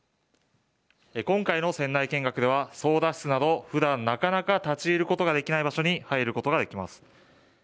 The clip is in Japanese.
今回の船内見学では操だ室など、ふだんなかなか立ち入ることができない場所に入ることができます。